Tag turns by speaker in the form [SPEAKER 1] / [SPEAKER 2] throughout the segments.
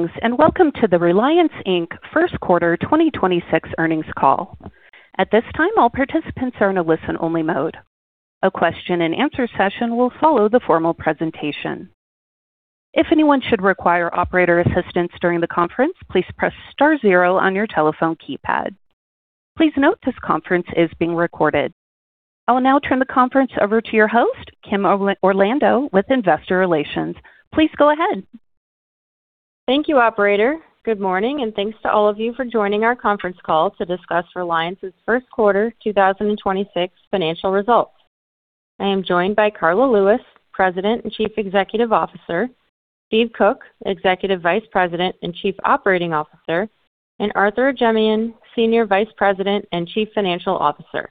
[SPEAKER 1] Welcome to the Reliance, Inc. First Quarter 2026 Earnings Call. At this time, all participants are in a listen-only mode. A question and answer session will follow the formal presentation. If anyone should require operator assistance during the conference, please press star zero on your telephone keypad. Please note this conference is being recorded. I will now turn the conference over to your host, Kimberly Orlando, with Investor Relations. Please go ahead.
[SPEAKER 2] Thank you, operator. Good morning, and thanks to all of you for joining our conference call to discuss Reliance's first quarter 2026 financial results. I am joined by Karla Lewis, President and Chief Executive Officer, Steve Cook, Executive Vice President and Chief Operating Officer, and Arthur Ajemyan, Senior Vice President and Chief Financial Officer.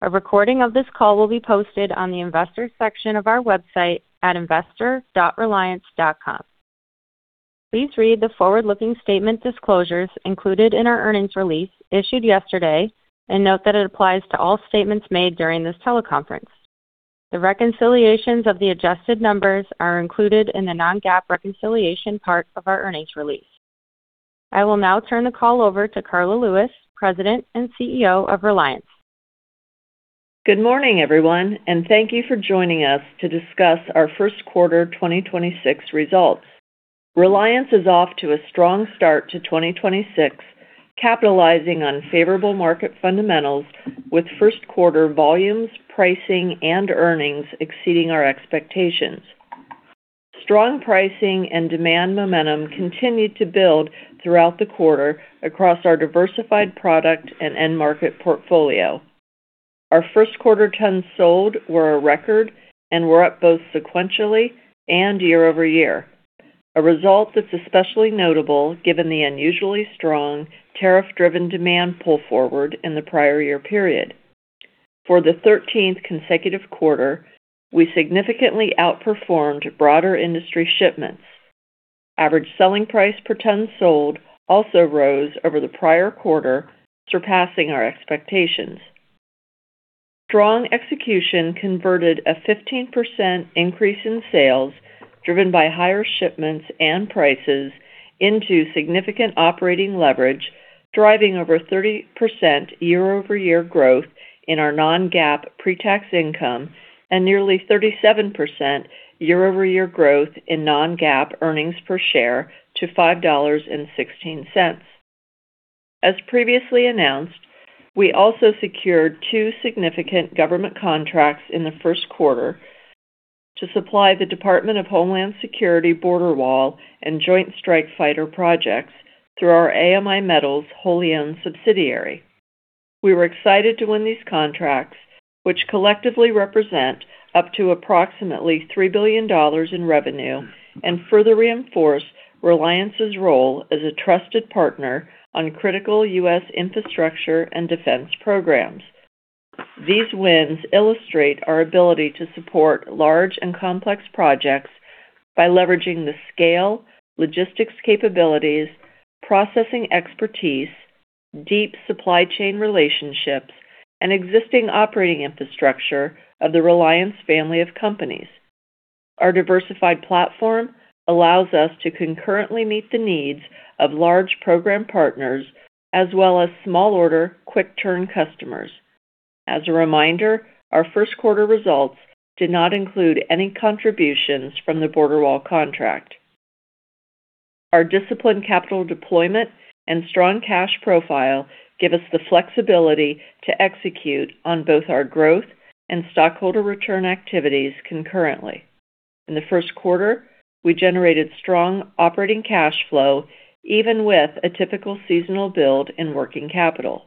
[SPEAKER 2] A recording of this call will be posted on the investors section of our website at investor.reliance.com. Please read the forward-looking statement disclosures included in our earnings release issued yesterday, and note that it applies to all statements made during this teleconference. The reconciliations of the adjusted numbers are included in the non-GAAP reconciliation part of our earnings release. I will now turn the call over to Karla Lewis, President and CEO of Reliance.
[SPEAKER 3] Good morning, everyone, and thank you for joining us to discuss our first quarter 2026 results. Reliance is off to a strong start to 2026, capitalizing on favorable market fundamentals with first quarter volumes, pricing, and earnings exceeding our expectations. Strong pricing and demand momentum continued to build throughout the quarter across our diversified product and end market portfolio. Our first quarter tons sold were a record and were up both sequentially and year-over-year, a result that's especially notable given the unusually strong tariff-driven demand pull forward in the prior year period. For the 13th consecutive quarter, we significantly outperformed broader industry shipments. Average selling price per ton sold also rose over the prior quarter, surpassing our expectations. Strong execution converted a 15% increase in sales driven by higher shipments and prices into significant operating leverage, driving over 30% year-over-year growth in our non-GAAP pre-tax income and nearly 37% year-over-year growth in non-GAAP earnings per share to $5.16. As previously announced, we also secured two significant government contracts in the first quarter to supply the Department of Homeland Security border wall and Joint Strike Fighter projects through our AMI Metals wholly-owned subsidiary. We were excited to win these contracts, which collectively represent up to approximately $3 billion in revenue and further reinforce Reliance's role as a trusted partner on critical U.S. infrastructure and defense programs. These wins illustrate our ability to support large and complex projects by leveraging the scale, logistics capabilities, processing expertise, deep supply chain relationships, and existing operating infrastructure of the Reliance family of companies. Our diversified platform allows us to concurrently meet the needs of large program partners as well as small order, quick turn customers. As a reminder, our first quarter results did not include any contributions from the border wall contract. Our disciplined capital deployment and strong cash profile give us the flexibility to execute on both our growth and stockholder return activities concurrently. In the first quarter, we generated strong operating cash flow, even with a typical seasonal build in working capital.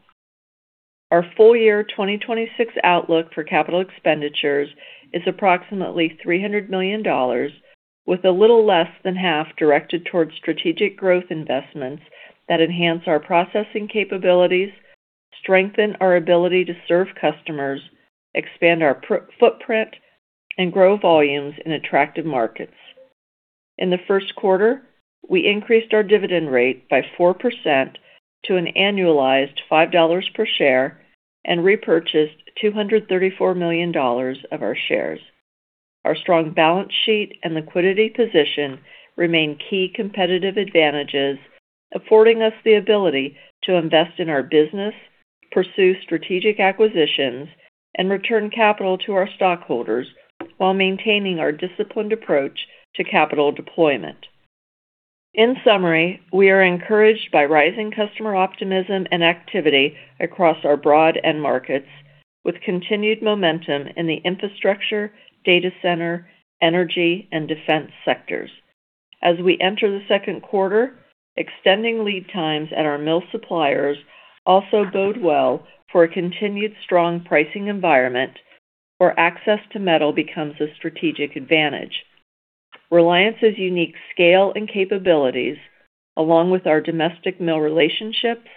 [SPEAKER 3] Our full year 2026 outlook for capital expenditures is approximately $300 million, with a little less than half directed towards strategic growth investments that enhance our processing capabilities, strengthen our ability to serve customers, expand our footprint, and grow volumes in attractive markets. In the first quarter, we increased our dividend rate by 4% to an annualized $5 per share and repurchased $234 million of our shares. Our strong balance sheet and liquidity position remain key competitive advantages, affording us the ability to invest in our business, pursue strategic acquisitions, and return capital to our stockholders while maintaining our disciplined approach to capital deployment. In summary, we are encouraged by rising customer optimism and activity across our broad end markets with continued momentum in the infrastructure, data center, energy, and defense sectors. As we enter the second quarter, extending lead times at our mill suppliers also bode well for a continued strong pricing environment where access to metal becomes a strategic advantage. Reliance's unique scale and capabilities, along with our domestic mill relationships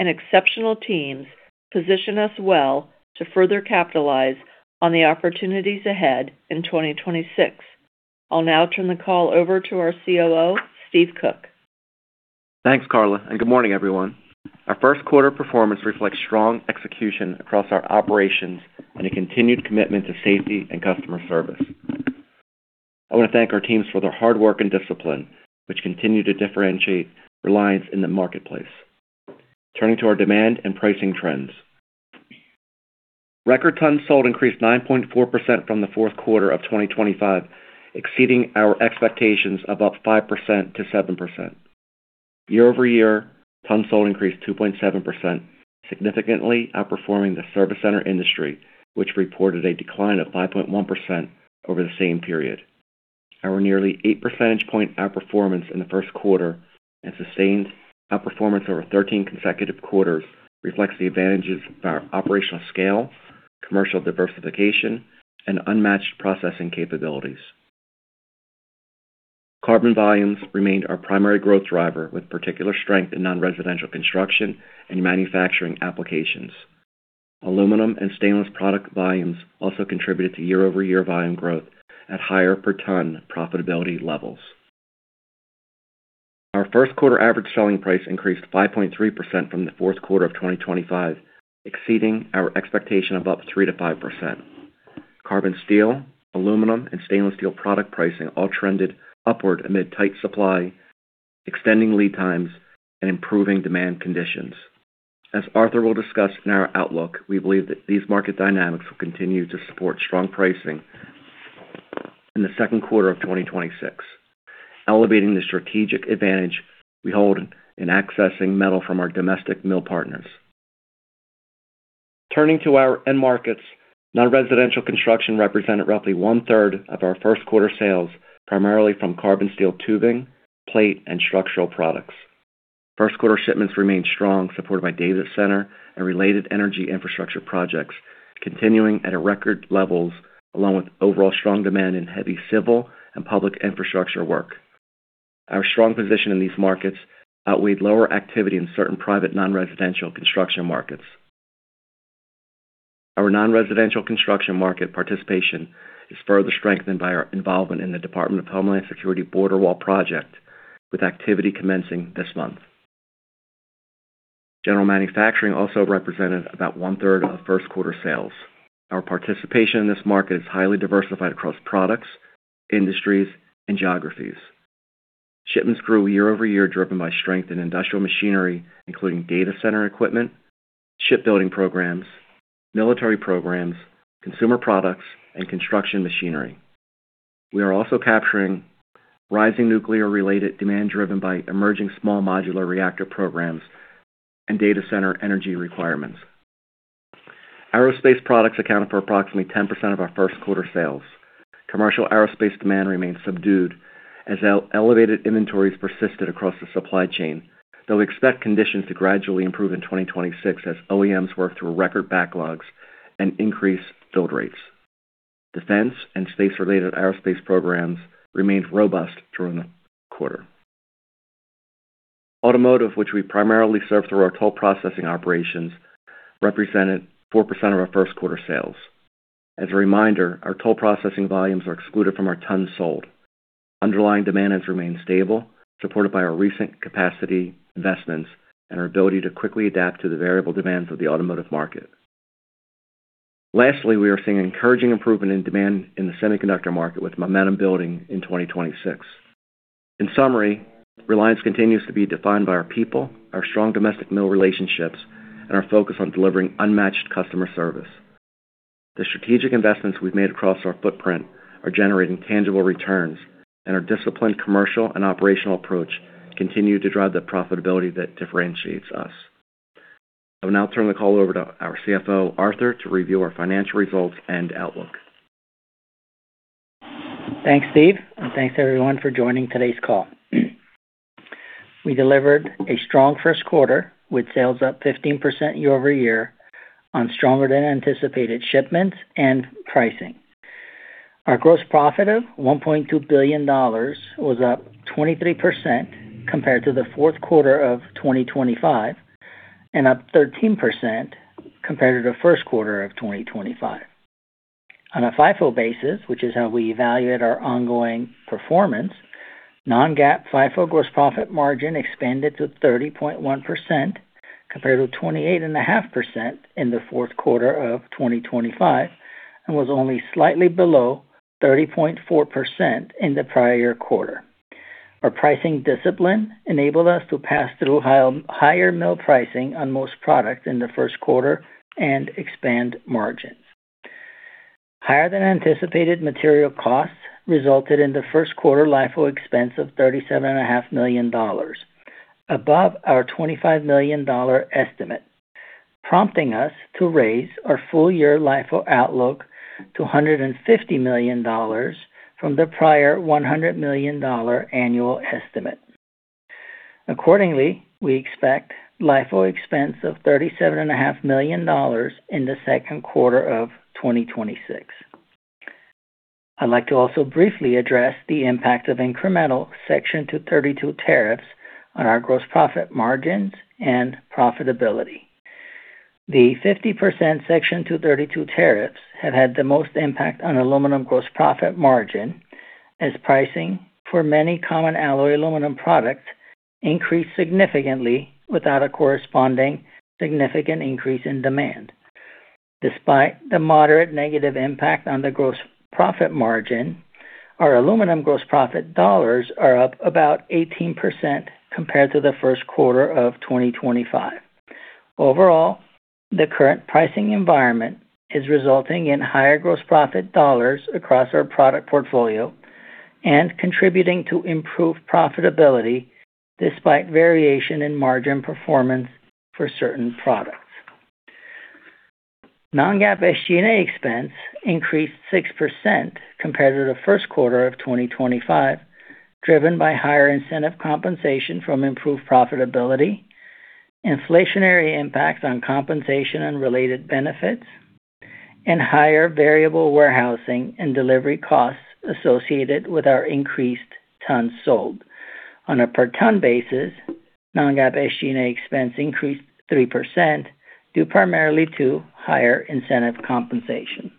[SPEAKER 3] and exceptional teams, position us well to further capitalize on the opportunities ahead in 2026. I'll now turn the call over to our COO, Steve Cook.
[SPEAKER 4] Thanks, Karla, and good morning, everyone. Our first quarter performance reflects strong execution across our operations and a continued commitment to safety and customer service. I want to thank our teams for their hard work and discipline, which continue to differentiate Reliance in the marketplace. Turning to our demand and pricing trends. Record tons sold increased 9.4% from the fourth quarter of 2025, exceeding our expectations of up 5%-7%. Year-over-year tons sold increased 2.7%, significantly outperforming the service center industry, which reported a decline of 5.1% over the same period. Our nearly eight percentage points outperformance in the first quarter, and sustained outperformance over 13 consecutive quarters reflects the advantages of our operational scale, commercial diversification, and unmatched processing capabilities. Carbon volumes remained our primary growth driver, with particular strength in non-residential construction and manufacturing applications. Aluminum and stainless product volumes also contributed to year-over-year volume growth at higher per ton profitability levels. Our first quarter average selling price increased 5.3% from the fourth quarter of 2025, exceeding our expectation of up 3%-5%. Carbon steel, aluminum, and stainless steel product pricing all trended upward amid tight supply, extending lead times, and improving demand conditions. As Arthur will discuss in our outlook, we believe that these market dynamics will continue to support strong pricing in the second quarter of 2026, elevating the strategic advantage we hold in accessing metal from our domestic mill partners. Turning to our end markets, non-residential construction represented roughly one-third of our first quarter sales, primarily from carbon steel tubing, plate, and structural products. First quarter shipments remained strong, supported by data center and related energy infrastructure projects, continuing at record levels along with overall strong demand in heavy civil and public infrastructure work. Our strong position in these markets outweighed lower activity in certain private non-residential construction markets. Our non-residential construction market participation is further strengthened by our involvement in the Department of Homeland Security border wall project, with activity commencing this month. General manufacturing also represented about one-third of first quarter sales. Our participation in this market is highly diversified across products, industries, and geographies. Shipments grew year-over-year, driven by strength in industrial machinery, including data center equipment, shipbuilding programs, military programs, consumer products, and construction machinery. We are also capturing rising nuclear-related demand driven by emerging small modular reactor programs and data center energy requirements. Aerospace products accounted for approximately 10% of our first quarter sales. Commercial aerospace demand remains subdued as elevated inventories persisted across the supply chain. Though we expect conditions to gradually improve in 2026 as OEMs work through record backlogs and increase build rates. Defense and space-related aerospace programs remained robust during the quarter. Automotive, which we primarily serve through our toll processing operations, represented 4% of our first quarter sales. As a reminder, our toll processing volumes are excluded from our tons sold. Underlying demand has remained stable, supported by our recent capacity investments and our ability to quickly adapt to the variable demands of the automotive market. Lastly, we are seeing encouraging improvement in demand in the semiconductor market, with momentum building in 2026. In summary, Reliance continues to be defined by our people, our strong domestic mill relationships, and our focus on delivering unmatched customer service. The strategic investments we've made across our footprint are generating tangible returns, and our disciplined commercial and operational approach continue to drive the profitability that differentiates us. I will now turn the call over to our CFO, Arthur, to review our financial results and outlook.
[SPEAKER 5] Thanks, Steve, and thanks, everyone, for joining today's call. We delivered a strong first quarter with sales up 15% year-over-year on stronger than anticipated shipments and pricing. Our gross profit of $1.2 billion was up 23% compared to the fourth quarter of 2025 and up 13% compared to the first quarter of 2025. On a FIFO basis, which is how we evaluate our ongoing performance, non-GAAP FIFO gross profit margin expanded to 30.1% compared with 28.5% in the fourth quarter of 2025, and was only slightly below 30.4% in the prior quarter. Our pricing discipline enabled us to pass through higher mill pricing on most products in the first quarter and expand margins. Higher than anticipated material costs resulted in the first quarter LIFO expense of $37.5 million, above our $25 million estimate, prompting us to raise our full year LIFO outlook to $150 million from the prior $100 million annual estimate. Accordingly, we expect LIFO expense of $37.5 million in the second quarter of 2026. I'd like to also briefly address the impact of incremental Section 232 tariffs on our gross profit margins and profitability. The 50% Section 232 tariffs have had the most impact on aluminum gross profit margin, as pricing for many common alloy aluminum products increased significantly without a corresponding significant increase in demand. Despite the moderate negative impact on the gross profit margin, our aluminum gross profit dollars are up about 18% compared to the first quarter of 2025. Overall, the current pricing environment is resulting in higher gross profit dollars across our product portfolio and contributing to improved profitability despite variation in margin performance for certain products. Non-GAAP SG&A expense increased 6% compared to the first quarter of 2025, driven by higher incentive compensation from improved profitability, inflationary impacts on compensation and related benefits, and higher variable warehousing and delivery costs associated with our increased tons sold. On a per-ton basis, non-GAAP SG&A expense increased 3%, due primarily to higher incentive compensation.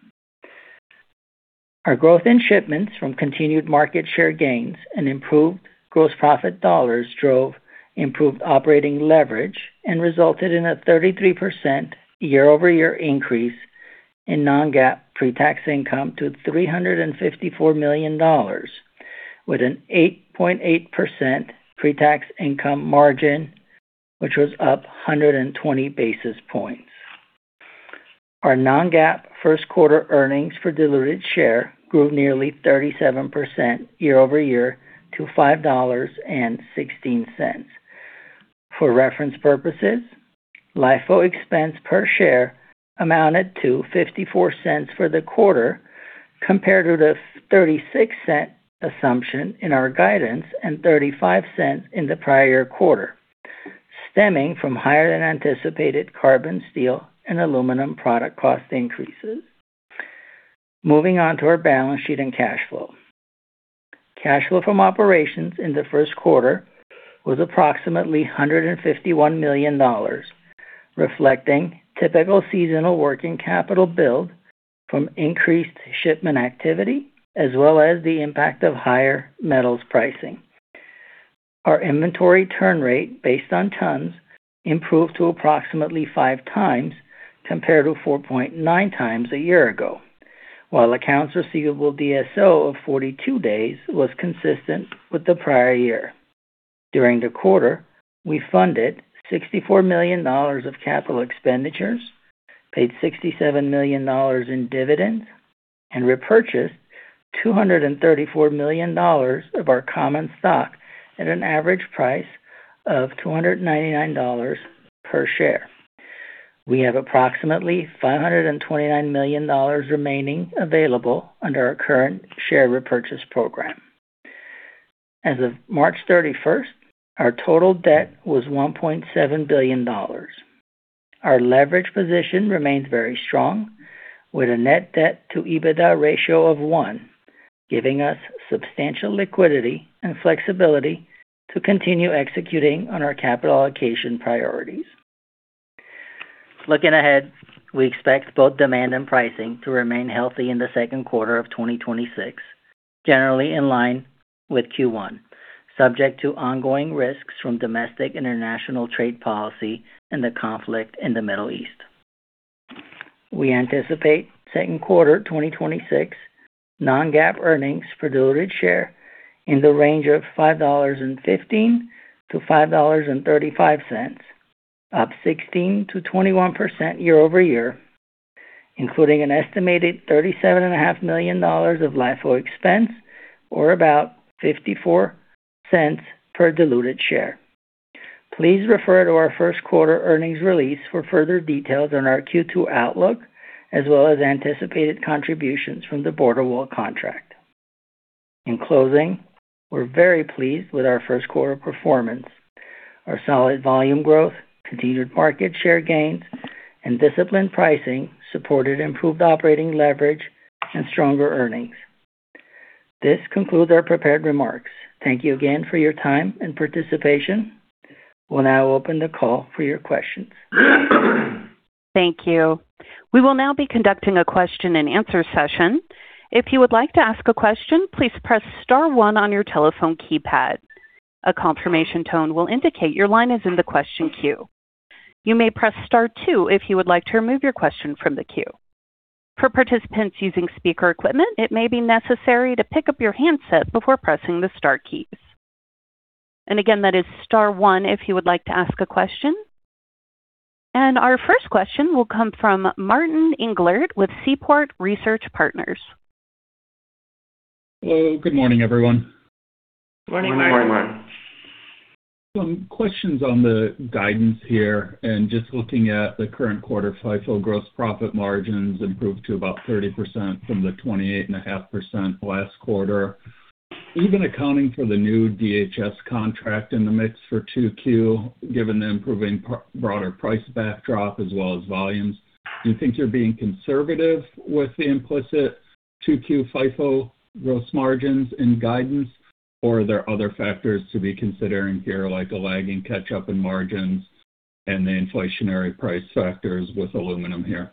[SPEAKER 5] Our growth in shipments from continued market share gains and improved gross profit dollars drove improved operating leverage and resulted in a 33% year-over-year increase in non-GAAP pre-tax income to $354 million, with an 8.8% pre-tax income margin, which was up 120 basis points. Our non-GAAP first quarter earnings per diluted share grew nearly 37% year-over-year to $5.16. For reference purposes, LIFO expense per share amounted to $0.54 for the quarter compared to the $0.36 assumption in our guidance and $0.35 in the prior quarter, stemming from higher-than-anticipated carbon steel and aluminum product cost increases. Moving on to our balance sheet and cash flow. Cash flow from operations in the first quarter was approximately $151 million, reflecting typical seasonal working capital build from increased shipment activity, as well as the impact of higher metals pricing. Our inventory turn rate, based on tons, improved to approximately five times compared to 4.9 times a year ago, while accounts receivable DSO of 42 days was consistent with the prior year. During the quarter, we funded $64 million of capital expenditures, paid $67 million in dividends, and repurchased $234 million of our common stock at an average price of $299 per share. We have approximately $529 million remaining available under our current share repurchase program. As of March 31st, our total debt was $1.7 billion. Our leverage position remains very strong with a net debt to EBITDA ratio of one, giving us substantial liquidity and flexibility to continue executing on our capital allocation priorities. Looking ahead, we expect both demand and pricing to remain healthy in the second quarter of 2026, generally in line with Q1, subject to ongoing risks from domestic, international trade policy and the conflict in the Middle East. We anticipate second quarter 2026 non-GAAP earnings per diluted share in the range of $5.15-$5.35, up 16%-21% year-over-year, including an estimated $37.5 million of LIFO expense, or about $0.54 per diluted share. Please refer to our first quarter earnings release for further details on our Q2 outlook, as well as anticipated contributions from the border wall contract. In closing, we're very pleased with our first quarter performance. Our solid volume growth, continued market share gains, and disciplined pricing supported improved operating leverage and stronger earnings. This concludes our prepared remarks. Thank you again for your time and participation. We'll now open the call for your questions.
[SPEAKER 1] Thank you. We will now be conducting a question and answer session. If you would like to ask a question, please press *1 on your telephone keypad. A confirmation tone will indicate your line is in the question queue. You may press *2 if you would like to remove your question from the queue. For participants using speaker equipment, it may be necessary to pick up your handset before pressing the star keys. Again, that is *1 if you would like to ask a question. Our first question will come from Martin Englert with Seaport Research Partners.
[SPEAKER 6] Hello. Good morning, everyone.
[SPEAKER 5] Good morning, Martin.
[SPEAKER 4] Good morning, Martin.
[SPEAKER 6] Some questions on the guidance here, and just looking at the current quarter, FIFO gross profit margins improved to about 30% from the 28.5% last quarter. Even accounting for the new DHS contract in the mix for 2Q, given the improving broader price backdrop as well as volumes, do you think you're being conservative with the implicit 2Q FIFO gross margins in guidance, or are there other factors to be considering here, like a lagging catch-up in margins and the inflationary price factors with aluminum here?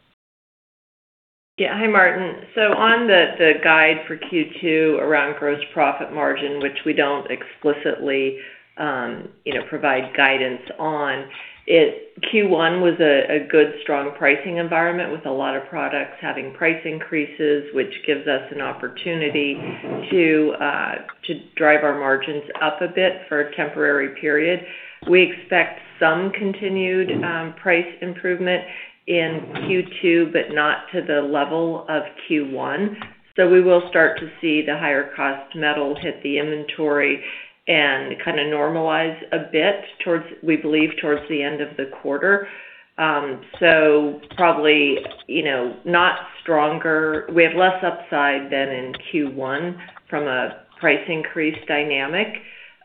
[SPEAKER 3] Yeah. Hi, Martin. On the guide for Q2 around gross profit margin, which we don't explicitly provide guidance on, Q1 was a good, strong pricing environment with a lot of products having price increases, which gives us an opportunity to drive our margins up a bit for a temporary period. We expect some continued price improvement in Q2, but not to the level of Q1. We will start to see the higher cost metal hit the inventory and kind of normalize a bit, we believe towards the end of the quarter. Probably, not stronger. We have less upside than in Q1 from a price increase dynamic.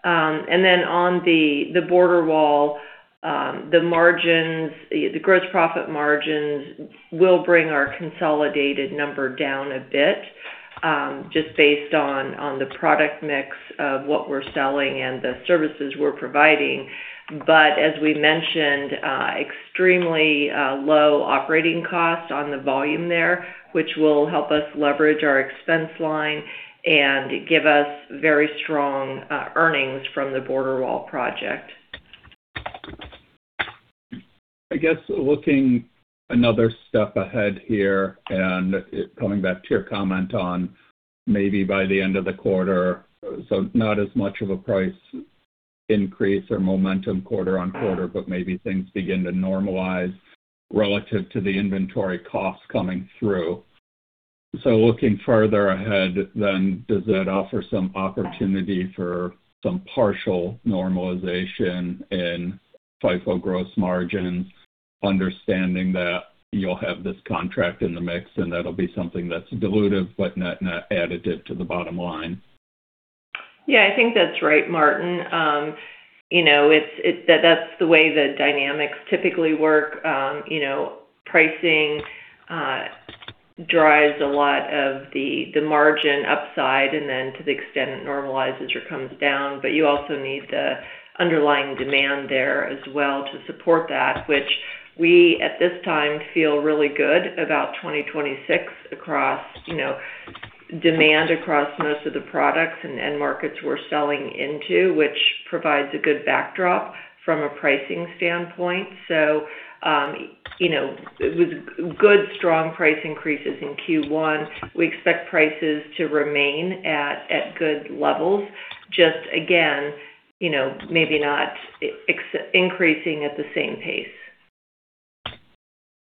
[SPEAKER 3] Then on the border wall, the gross profit margins will bring our consolidated number down a bit, just based on the product mix of what we're selling and the services we're providing. as we mentioned, extremely low operating costs on the volume there, which will help us leverage our expense line and give us very strong earnings from the border wall project.
[SPEAKER 6] I guess looking another step ahead here and coming back to your comment on maybe by the end of the quarter, so not as much of a price increase or momentum quarter on quarter, but maybe things begin to normalize relative to the inventory costs coming through. Looking further ahead then, does that offer some opportunity for some partial normalization in FIFO gross margins, understanding that you'll have this contract in the mix and that'll be something that's dilutive but net additive to the bottom line?
[SPEAKER 3] Yeah, I think that's right, Martin. That's the way the dynamics typically work. Pricing drives a lot of the margin upside, and then to the extent it normalizes or comes down. You also need the underlying demand there as well to support that, which we, at this time, feel really good about 2026 across demand across most of the products and end markets we're selling into, which provides a good backdrop from a pricing standpoint. With good strong price increases in Q1, we expect prices to remain at good levels. Just again, maybe not increasing at the same pace.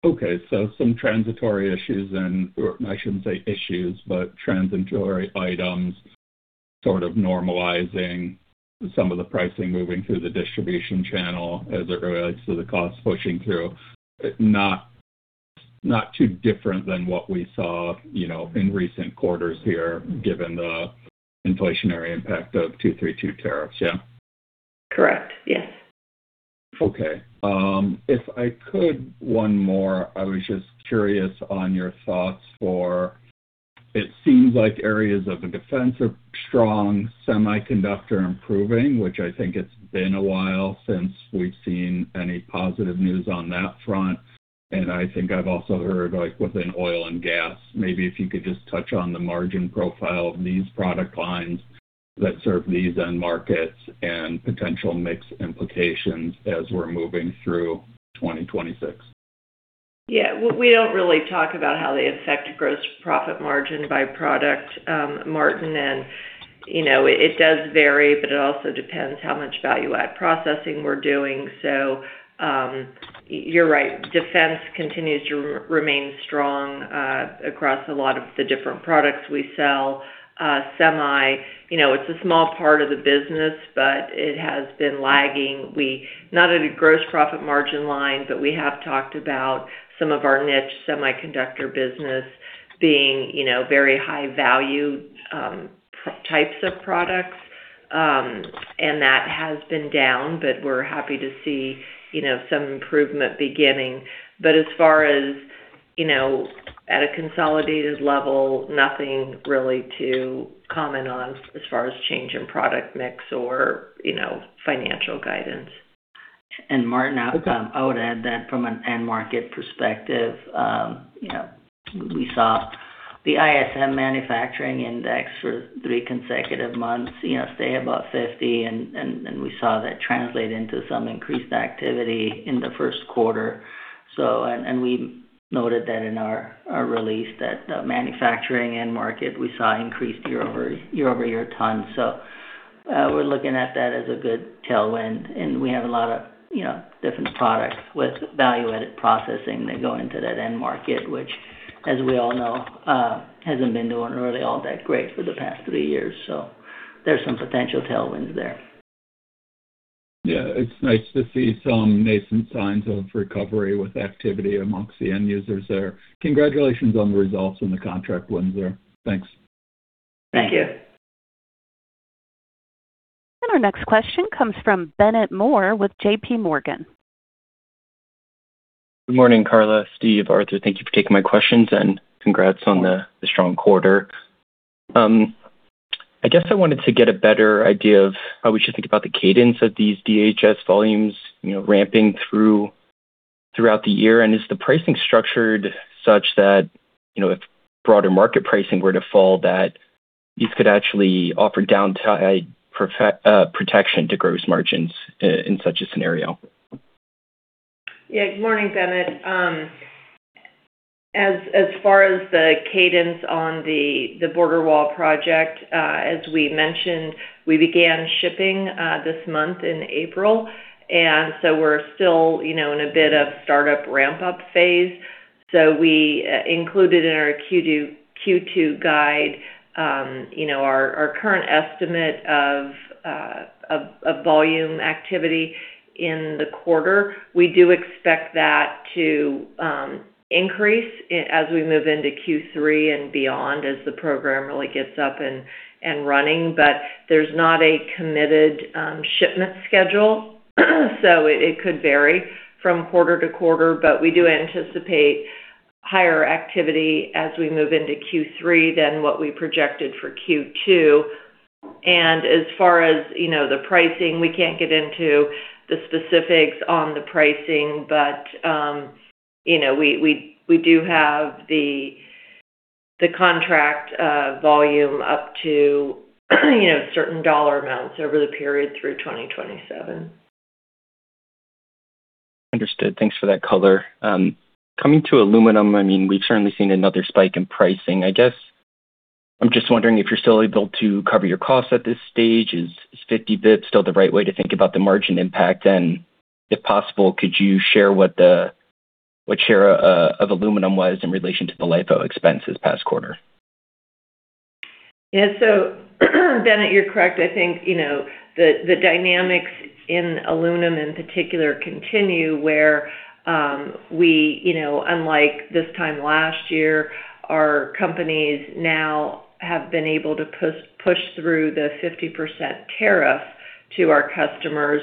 [SPEAKER 6] Okay, some transitory issues, and I shouldn't say issues, but transitory items sort of normalizing some of the pricing moving through the distribution channel as it relates to the cost pushing through. Not too different than what we saw in recent quarters here, given the inflationary impact of 232 tariffs, yeah?
[SPEAKER 3] Correct. Yes.
[SPEAKER 6] Okay. If I could, one more. I was just curious on your thoughts for, it seems like areas of the defense are strong, semiconductor improving, which I think it's been a while since we've seen any positive news on that front. I think I've also heard, like within oil and gas. Maybe if you could just touch on the margin profile of these product lines that serve these end markets and potential mix implications as we're moving through 2026.
[SPEAKER 3] Yeah. We don't really talk about how they affect gross profit margin by product, Martin, and it does vary, but it also depends how much value add processing we're doing. You're right, defense continues to remain strong across a lot of the different products we sell. Semi, it's a small part of the business, but it has been lagging. Not at a gross profit margin line, but we have talked about some of our niche semiconductor business being very high value types of products, and that has been down, but we're happy to see some improvement beginning. As far as at a consolidated level, nothing really to comment on as far as change in product mix or financial guidance.
[SPEAKER 5] Martin, I would add that from an end market perspective, we saw the ISM Manufacturing Index for three consecutive months stay above 50, and we saw that translate into some increased activity in the first quarter. We noted that in our release that the manufacturing end market, we saw increased year-over-year tons. We're looking at that as a good tailwind, and we have a lot of different products with value-added processing that go into that end market, which, as we all know, hasn't been doing really all that great for the past three years. There's some potential tailwinds there.
[SPEAKER 6] Yeah, it's nice to see some nascent signs of recovery with activity among the end users there. Congratulations on the results and the contract wins there. Thanks.
[SPEAKER 5] Thank you.
[SPEAKER 1] Our next question comes from Bennett Moore with JPMorgan.
[SPEAKER 7] Good morning, Karla, Steve, Arthur. Thank you for taking my questions and congrats on the strong quarter. I guess I wanted to get a better idea of how we should think about the cadence of these DHS volumes ramping throughout the year. Is the pricing structured such that if broader market pricing were to fall, that these could actually offer downtime protection to gross margins in such a scenario?
[SPEAKER 3] Yeah. Good morning, Bennett. As far as the cadence on the border wall project, as we mentioned, we began shipping this month in April, and so we're still in a bit of startup ramp-up phase. We included in our Q2 guide our current estimate of volume activity in the quarter. We do expect that to increase as we move into Q3 and beyond as the program really gets up and running. There's not a committed shipment schedule, so it could vary from quarter to quarter. We do anticipate higher activity as we move into Q3 than what we projected for Q2. As far as the pricing, we can't get into the specifics on the pricing, but we do have the contract volume up to certain dollar amounts over the period through 2027.
[SPEAKER 7] Understood. Thanks for that color. Coming to aluminum, we've certainly seen another spike in pricing. I guess I'm just wondering if you're still able to cover your costs at this stage. Is 50 basis points still the right way to think about the margin impact? And if possible, could you share what share of aluminum was in relation to the LIFO expense this past quarter?
[SPEAKER 3] Yeah. Bennett, you're correct. I think, the dynamics in aluminum in particular continue where we, unlike this time last year, our companies now have been able to push through the 50% tariff to our customers,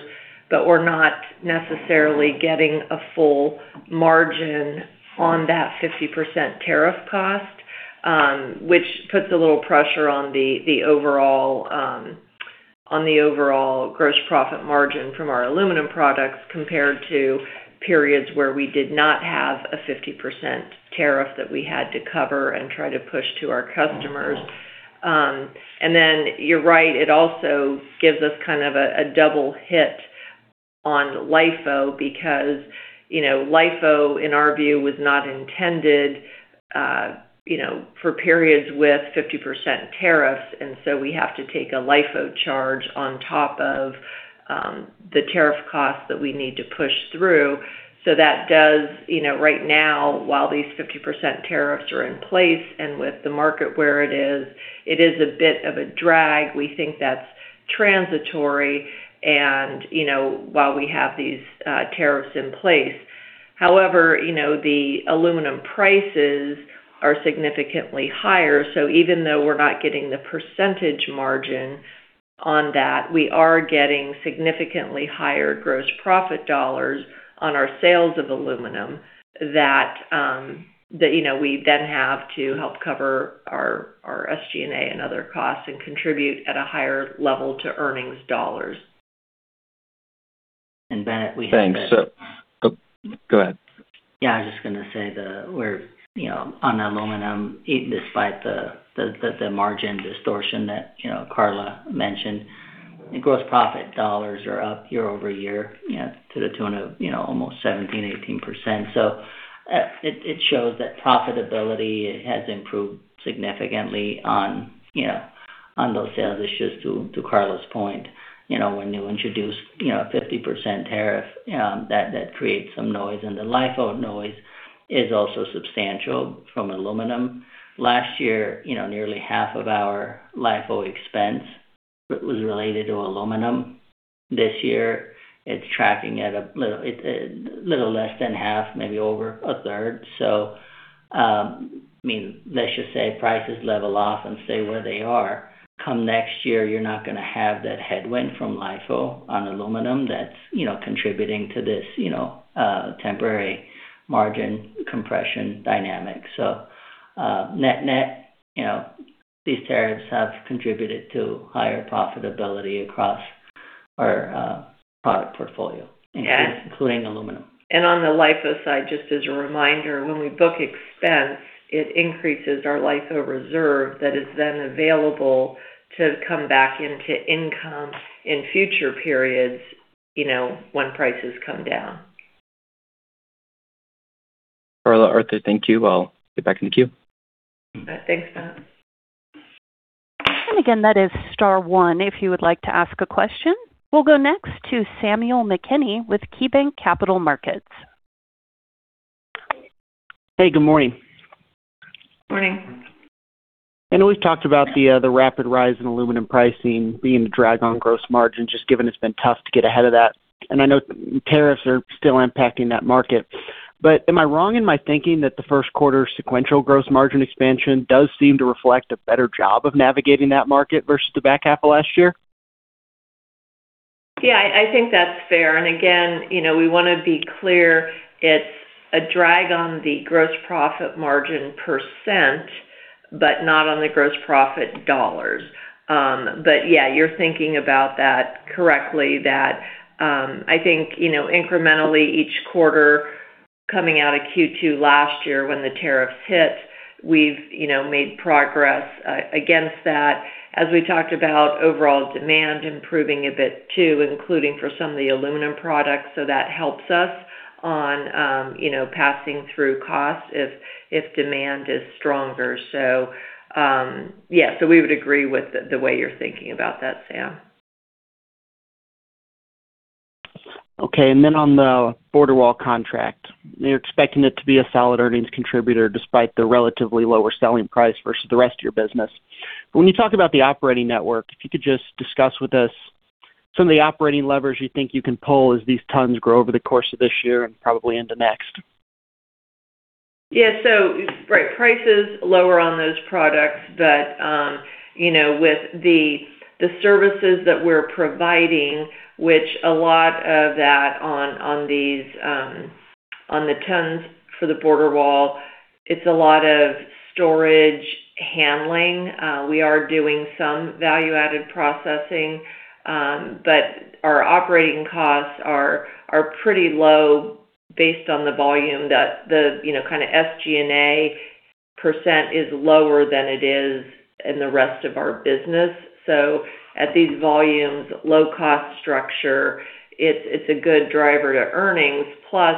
[SPEAKER 3] but we're not necessarily getting a full margin on that 50% tariff cost, which puts a little pressure on the overall gross profit margin from our aluminum products compared to periods where we did not have a 50% tariff that we had to cover and try to push to our customers. You're right, it also gives us kind of a double hit on LIFO because LIFO, in our view, was not intended for periods with 50% tariffs. We have to take a LIFO charge on top of the tariff cost that we need to push through. That does, right now, while these 50% tariffs are in place and with the market where it is, it is a bit of a drag. We think that's transitory and while we have these tariffs in place. However, the aluminum prices are significantly higher. Even though we're not getting the percentage margin on that, we are getting significantly higher gross profit dollars on our sales of aluminum. That we then have to help cover our SG&A and other costs and contribute at a higher level to earnings dollars.
[SPEAKER 5] Bennett, we
[SPEAKER 7] Thanks. Go ahead.
[SPEAKER 5] Yeah, I was just going to say that we're on aluminum, despite the margin distortion that Karla mentioned, the gross profit dollars are up year-over-year to the tune of almost 17%-18%. It shows that profitability has improved significantly on those sales. It's just to Karla's point, when you introduce a 50% tariff, that creates some noise. The LIFO noise is also substantial from aluminum. Last year, nearly half of our LIFO expense was related to aluminum. This year, it's tracking at a little less than half, maybe over a third. Let's just say prices level off and stay where they are. Come next year, you're not going to have that headwind from LIFO on aluminum that's contributing to this temporary margin compression dynamic. Net-net, these tariffs have contributed to higher profitability across our product portfolio, including aluminum.
[SPEAKER 3] On the LIFO side, just as a reminder, when we book expense, it increases our LIFO reserve that is then available to come back into income in future periods when prices come down.
[SPEAKER 7] Karla, Arthur, thank you. I'll get back in the queue.
[SPEAKER 3] Thanks, Bennett.
[SPEAKER 1] We'll go next to Samuel McKinney with KeyBanc Capital Markets.
[SPEAKER 8] Hey, good morning.
[SPEAKER 3] Morning.
[SPEAKER 8] I know we've talked about the rapid rise in aluminum pricing being the drag on gross margin, just given it's been tough to get ahead of that, and I know tariffs are still impacting that market, but am I wrong in my thinking that the first quarter sequential gross margin expansion does seem to reflect a better job of navigating that market versus the back half of last year?
[SPEAKER 3] Yeah, I think that's fair. Again, we want to be clear, it's a drag on the gross profit margin percent, but not on the gross profit dollars. Yeah, you're thinking about that correctly. That I think, incrementally each quarter coming out of Q2 last year when the tariffs hit, we've made progress against that, as we talked about overall demand improving a bit too, including for some of the aluminum products. That helps us on passing through costs if demand is stronger. Yeah. We would agree with the way you're thinking about that, Sam.
[SPEAKER 8] Okay, on the border wall contract, you're expecting it to be a solid earnings contributor despite the relatively lower selling price versus the rest of your business. When you talk about the operating leverage, if you could just discuss with us some of the operating levers you think you can pull as these tons grow over the course of this year and probably into next.
[SPEAKER 3] Yeah. Right. Prices lower on those products. With the services that we're providing, which a lot of that on the tons for the border wall, it's a lot of storage handling. We are doing some value-added processing, but our operating costs are pretty low based on the volume. The kind of SG&A percent is lower than it is in the rest of our business. At these volumes, low cost structure, it's a good driver to earnings. Plus,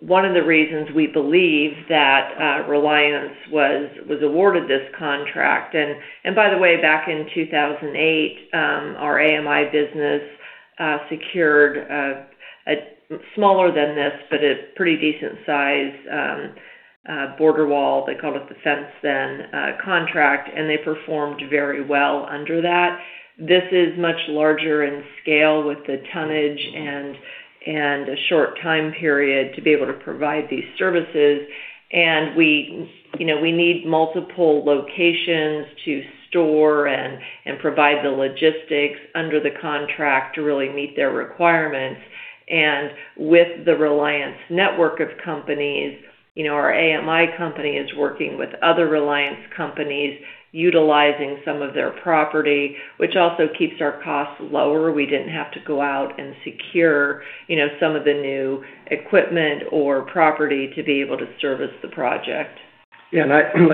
[SPEAKER 3] one of the reasons we believe that Reliance was awarded this contract. By the way, back in 2008, our AMI business secured a smaller than this, but a pretty decent size border wall. They called it the fence then, contract, and they performed very well under that. This is much larger in scale with the tonnage and a short time period to be able to provide these services. We need multiple locations to store and provide the logistics under the contract to really meet their requirements. With the Reliance network of companies, our AMI company is working with other Reliance companies, utilizing some of their property, which also keeps our costs lower. We didn't have to go out and secure some of the new equipment or property to be able to service the project.
[SPEAKER 4] Yeah. Excuse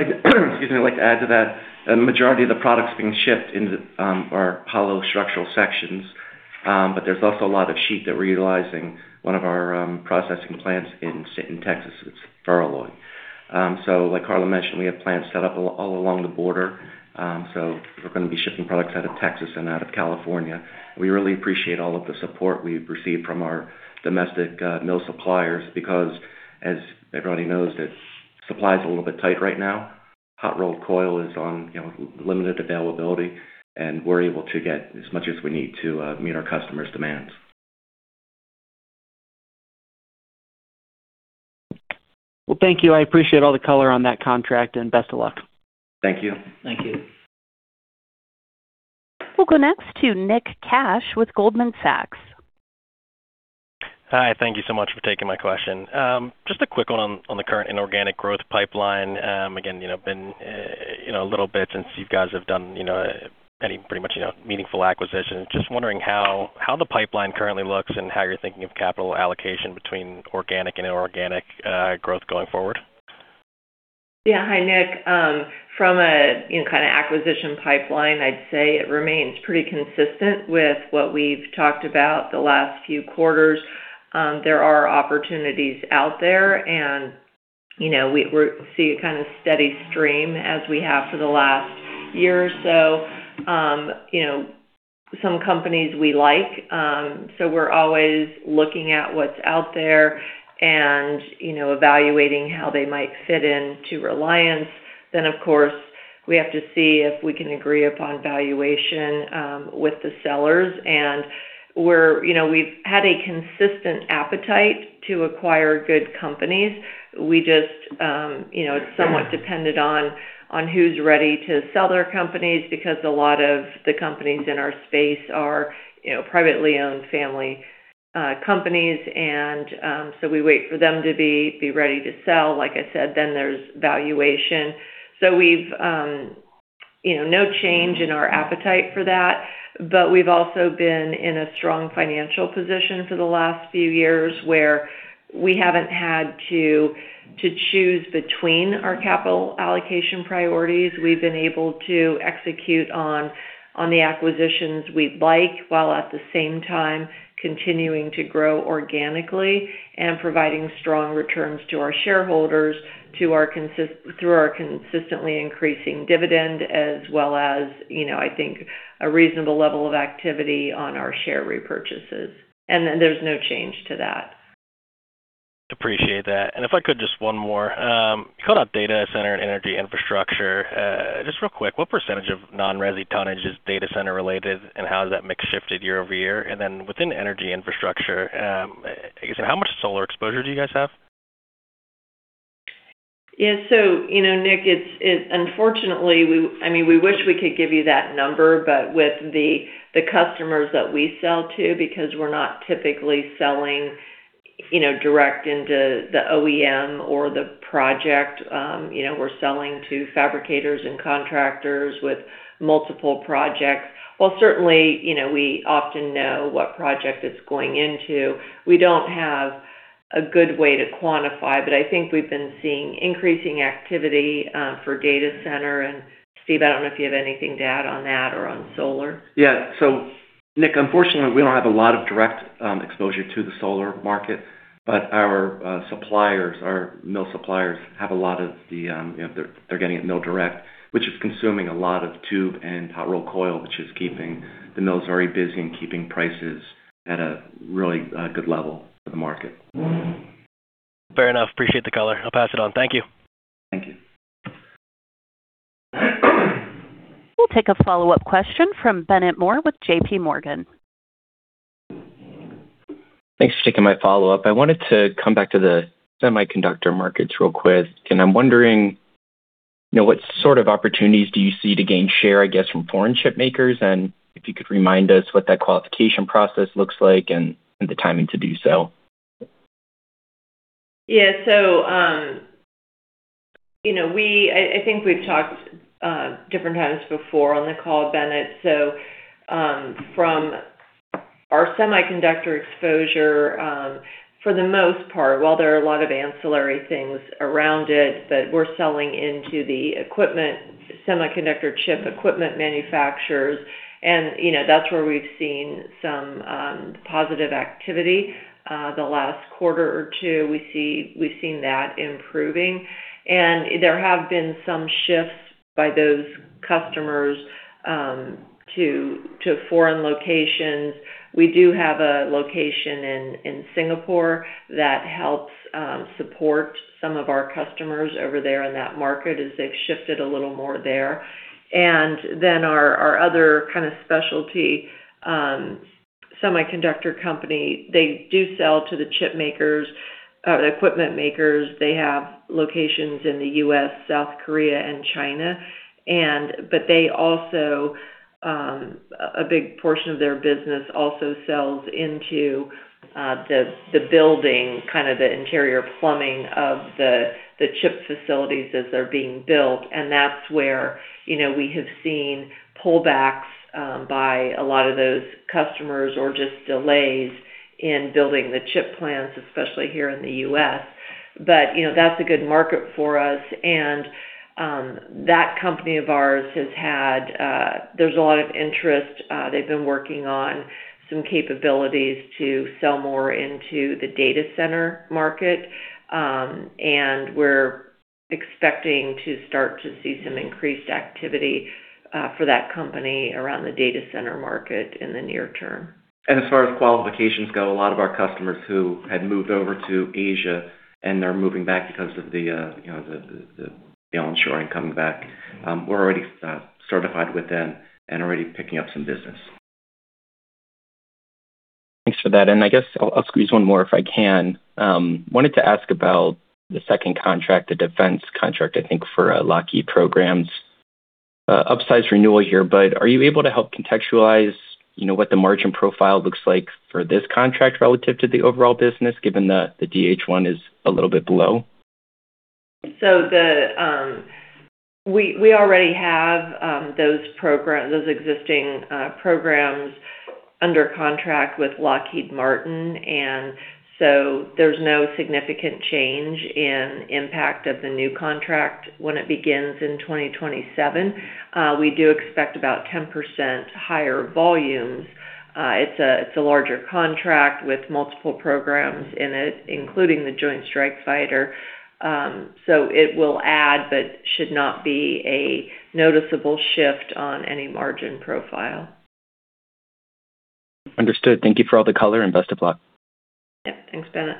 [SPEAKER 4] me, I'd like to add to that. A majority of the products being shipped are hollow structural sections. There's also a lot of sheet that we're utilizing one of our processing plants in Texas, it's Feralloy. Like Karla mentioned, we have plants set up all along the border. We're going to be shipping products out of Texas and out of California. We really appreciate all of the support we've received from our domestic mill suppliers because as everybody knows, that supply is a little bit tight right now. Hot rolled coil is on limited availability, and we're able to get as much as we need to meet our customers' demands.
[SPEAKER 8] Well, thank you. I appreciate all the color on that contract, and best of luck.
[SPEAKER 4] Thank you.
[SPEAKER 5] Thank you.
[SPEAKER 1] We'll go next to Nick Cash with Goldman Sachs.
[SPEAKER 9] Hi. Thank you so much for taking my question. Just a quick one on the current inorganic growth pipeline. Again, it's been a little bit since you guys have done any pretty much meaningful acquisitions. Just wondering how the pipeline currently looks and how you're thinking of capital allocation between organic and inorganic growth going forward.
[SPEAKER 3] Yeah. Hi, Nick. From a kind of acquisition pipeline, I'd say it remains pretty consistent with what we've talked about the last few quarters. There are opportunities out there, and we see a kind of steady stream as we have for the last year or so. Some companies we like, so we're always looking at what's out there and evaluating how they might fit into Reliance. Then, of course, we have to see if we can agree upon valuation with the sellers. We've had a consistent appetite to acquire good companies. It's somewhat dependent on who's ready to sell their companies because a lot of the companies in our space are privately owned family companies, and so we wait for them to be ready to sell. Like I said, then there's valuation. No change in our appetite for that. We've also been in a strong financial position for the last few years where we haven't had to choose between our capital allocation priorities. We've been able to execute on the acquisitions we'd like, while at the same time continuing to grow organically and providing strong returns to our shareholders through our consistently increasing dividend as well as I think a reasonable level of activity on our share repurchases. There's no change to that.
[SPEAKER 9] Appreciate that. If I could just one more. You called out data center and energy infrastructure. Just real quick, what percentage of non-resi tonnage is data center related, and how has that mix shifted year-over-year? Then within energy infrastructure, how much solar exposure do you guys have?
[SPEAKER 3] Yeah. Nick, we wish we could give you that number, but with the customers that we sell to, because we're not typically selling direct into the OEM or the project. We're selling to fabricators and contractors with multiple projects. While certainly, we often know what project it's going into, we don't have a good way to quantify. I think we've been seeing increasing activity for data center. Steve, I don't know if you have anything to add on that or on solar.
[SPEAKER 4] Yeah. Nick, unfortunately, we don't have a lot of direct exposure to the solar market, but our suppliers, our mill suppliers, they're getting it mill direct, which is consuming a lot of tube and hot rolled coil, which is keeping the mills very busy and keeping prices at a really good level for the market.
[SPEAKER 9] Fair enough. Appreciate the color. I'll pass it on. Thank you.
[SPEAKER 4] Thank you.
[SPEAKER 1] We'll take a follow-up question from Bennett Moore with JPMorgan.
[SPEAKER 7] Thanks for taking my follow-up. I wanted to come back to the semiconductor markets real quick. I'm wondering, what sort of opportunities do you see to gain share, I guess, from foreign chip makers? If you could remind us what that qualification process looks like and the timing to do so.
[SPEAKER 3] Yeah. I think we've talked different times before on the call, Bennett. From our semiconductor exposure, for the most part, while there are a lot of ancillary things around it, but we're selling into the semiconductor chip equipment manufacturers, and that's where we've seen some positive activity. The last quarter or two, we've seen that improving. There have been some shifts by those customers to foreign locations. We do have a location in Singapore that helps support some of our customers over there in that market as they've shifted a little more there. Then our other kind of specialty semiconductor company, they do sell to the chip makers, equipment makers. They have locations in the U.S., South Korea, and China. A big portion of their business also sells into the building, kind of the interior plumbing of the chip facilities as they're being built. That's where we have seen pullbacks by a lot of those customers or just delays in building the chip plants, especially here in the U.S. That's a good market for us. That company of ours, there's a lot of interest. They've been working on some capabilities to sell more into the data center market. We're expecting to start to see some increased activity for that company around the data center market in the near term.
[SPEAKER 4] As far as qualifications go, a lot of our customers who had moved over to Asia, and they're moving back because of the onshoring coming back. We're already certified with them and already picking up some business.
[SPEAKER 7] Thanks for that. I guess I'll squeeze one more if I can. Wanted to ask about the second contract, the defense contract, I think for Lockheed Martin programs. Upsized renewal here, but are you able to help contextualize what the margin profile looks like for this contract relative to the overall business, given the DHS is a little bit below?
[SPEAKER 3] We already have those existing programs under contract with Lockheed Martin, and so there's no significant change in impact of the new contract when it begins in 2027. We do expect about 10% higher volumes. It's a larger contract with multiple programs in it, including the Joint Strike Fighter. It will add, but should not be a noticeable shift on any margin profile.
[SPEAKER 7] Understood. Thank you for all the color, and best of luck.
[SPEAKER 3] Yeah. Thanks, Bennett.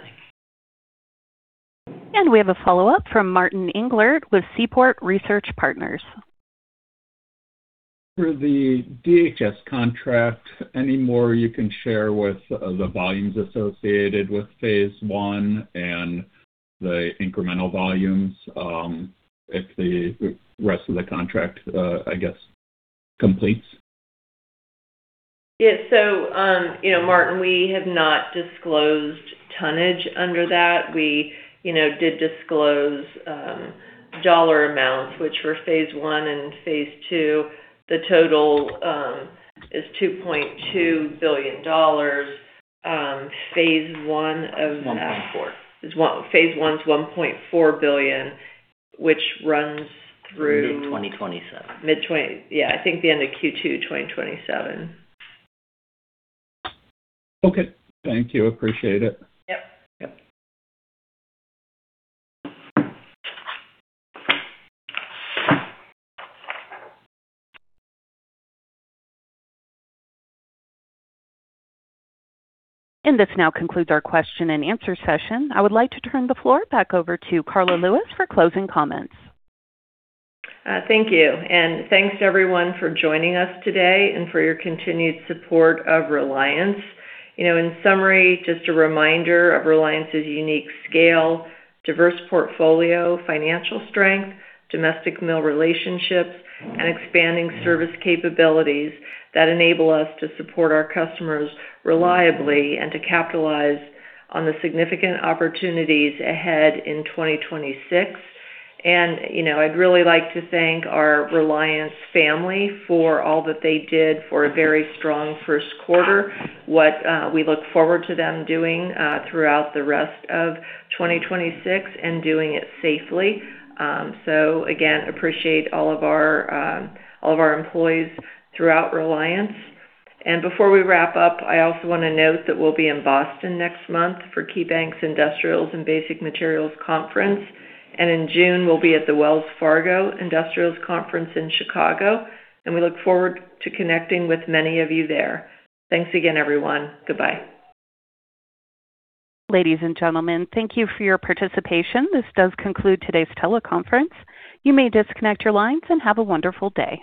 [SPEAKER 1] We have a follow-up from Martin Englert with Seaport Research Partners.
[SPEAKER 6] For the DHS contract, any more you can share with the volumes associated with phase one and the incremental volumes, if the rest of the contract, I guess, completes?
[SPEAKER 3] Yeah. Martin, we have not disclosed tonnage under that. We did disclose dollar amounts, which were phase one and phase two. The total is $2.2 billion. Phase one-
[SPEAKER 4] Is 1.4.
[SPEAKER 3] Phase one is $1.4 billion, which runs through.
[SPEAKER 4] Mid-2027.
[SPEAKER 3] Yeah, I think the end of Q2 2027.
[SPEAKER 6] Okay. Thank you. Appreciate it.
[SPEAKER 3] Yep.
[SPEAKER 1] This now concludes our question and answer session. I would like to turn the floor back over to Karla Lewis for closing comments.
[SPEAKER 3] Thank you. Thanks to everyone for joining us today and for your continued support of Reliance. In summary, just a reminder of Reliance's unique scale, diverse portfolio, financial strength, domestic mill relationships, and expanding service capabilities that enable us to support our customers reliably and to capitalize on the significant opportunities ahead in 2026. I'd really like to thank our Reliance family for all that they did for a very strong first quarter, what we look forward to them doing throughout the rest of 2026 and doing it safely. Again, appreciate all of our employees throughout Reliance. Before we wrap up, I also want to note that we'll be in Boston next month for KeyBanc's Industrials and Basic Materials Conference. In June, we'll be at the Wells Fargo Industrials Conference in Chicago, and we look forward to connecting with many of you there. Thanks again, everyone. Goodbye.
[SPEAKER 1] Ladies and gentlemen, thank you for your participation. This does conclude today's teleconference. You may disconnect your lines, and have a wonderful day.